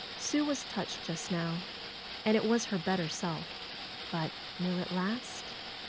Sue was touched just now, and it was her better self. But will it last?"